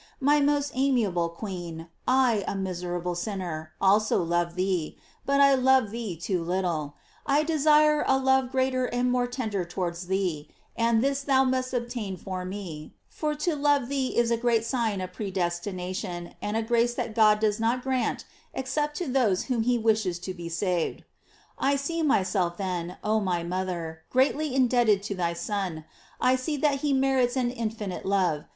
My most amiable queen, I, a miserable sinner, also love thee, but I love thee too little: I desire a love greater and more tender towards thee; and this thou must obtain for me, for to love thee is a great sign of predestination, and a grace that God does not grant except to those whom he wishes to be saved. I see myself then, oh my mother, greatly in debted to thy Son. I see that he merits an in finite love.